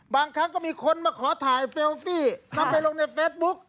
บางครั้งก็มีคนมาขอถ่ายเซลฟี่นำไปลงในเฟซบุ๊ก